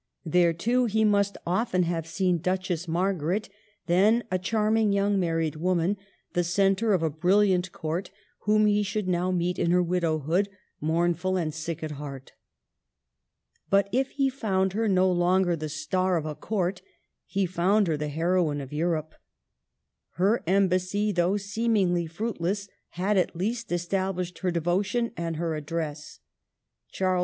There, too, he must often have seen Duchess Margaret, then a charming young married woman, the centre of a brilliant court, whom he should now meet in her widowhood, mournful and sick at heart. But if h4 found her no longer the star of a court, he found her the heroine of Europe. Her embassy, though seemingly fruitless, had at least established her devotion and her address. Charles V.